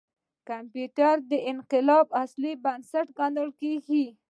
کمپیوټر د دې انقلاب اصلي بنسټ ګڼل کېږي.